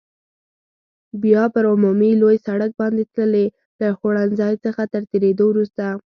بیا پر عمومي لوی سړک باندې تللې، له خوړنځای څخه تر تېرېدو وروسته.